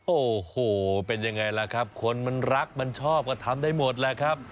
โอ้โหเป็นยังไงล่ะครับคนมันรักมันชอบก็ทำได้หมดแหละครับ